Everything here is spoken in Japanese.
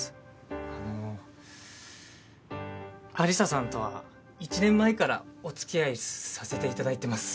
あの有沙さんとは１年前からお付き合いさせていただいてます。